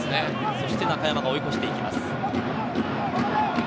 そして中山が追い越していきます。